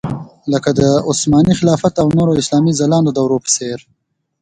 لکه عثماني خلافت او د نورو اسلامي ځلانده دورو په څېر.